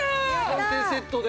３点セットで。